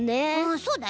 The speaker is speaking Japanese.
そうだよね。